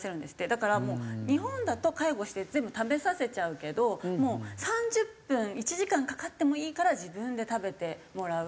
だからもう日本だと介護して全部食べさせちゃうけどもう３０分１時間かかってもいいから自分で食べてもらう。